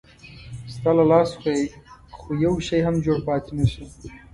ستا له لاسه خو یو شی هم جوړ پاتې نه شو.